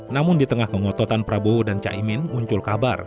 namun di tengah kengototan prabowo dan caimin muncul kabar